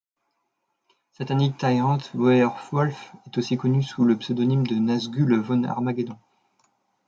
Satanic Tyrant Werewolf est aussi connu sous le pseudonyme de Nazgul Von Armageddon.